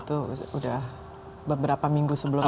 sudah beberapa minggu sebelumnya